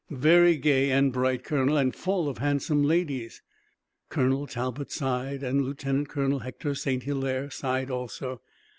"Very gay and bright, Colonel, and full of handsome ladies." Colonel Talbot sighed and Lieutenant Colonel Hector St. Hilaire sighed also.